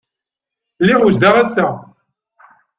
Lliɣ wejdeɣ assa.